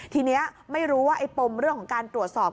ทีนี้ไม่รู้ว่าไอ้ปมเรื่องของการตรวจสอบ